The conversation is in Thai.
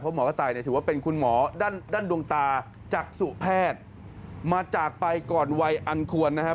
หมอกระต่ายเนี่ยถือว่าเป็นคุณหมอด้านดวงตาจักษุแพทย์มาจากไปก่อนวัยอันควรนะฮะ